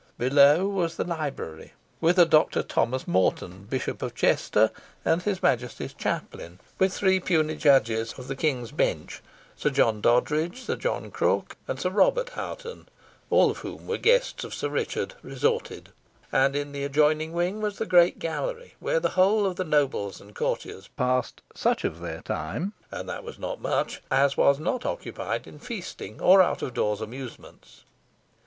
Below was the library, whither Doctor Thomas Moreton, Bishop of Chester, and his Majesty's chaplain, with the three puisné judges of the King's Bench, Sir John Doddridge, Sir John Crooke, and Sir Robert Hoghton, all of whom were guests of Sir Richard, resorted; and in the adjoining wing was the great gallery, where the whole of the nobles and courtiers passed such of their time and that was not much as was not occupied in feasting or out of doors' amusements.